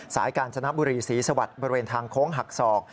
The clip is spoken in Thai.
กาญจนบุรีศรีสวัสดิ์บริเวณทางโค้งหักศอก